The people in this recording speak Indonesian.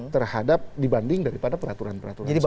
terhadap dibanding daripada peraturan peraturan